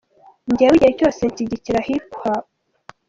Njyewe igihe cyose nshyigikira Hip Hop.